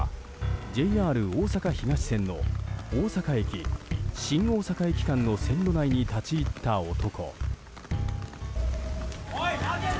ＪＲおおさか東線の大阪駅新大阪駅間の線路内に立ち入った男。